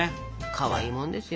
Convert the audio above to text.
かわいいもんですよ。